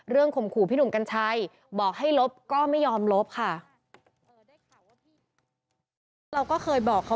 ข่มขู่พี่หนุ่มกัญชัยบอกให้ลบก็ไม่ยอมลบค่ะ